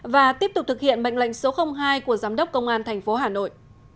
và tiếp tục thực hiện mệnh lệnh số hai của giám đốc công an thành phố hà nội